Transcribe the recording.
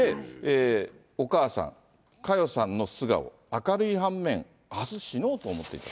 お母さん、佳代さんの素顔、明るい反面、あす死のうと思っていたと。